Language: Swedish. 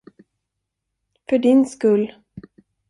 För din skull.